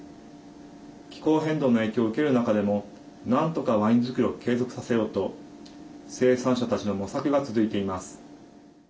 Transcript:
気候変動の影響を受ける中でもなんとかワイン造りを継続させようと生産者たちの模索が続いています。